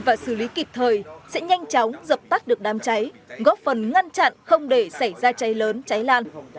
và xử lý kịp thời sẽ nhanh chóng dập tắt được đám cháy góp phần ngăn chặn không để xảy ra cháy lớn cháy lan